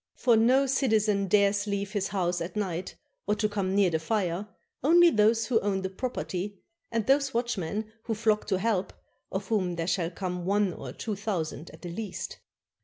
For no citizen dares leave his house at night or to come near the fire, only those who own the property, and those watchmen who flock to help, of whom there shall come one or two thou sand at the least.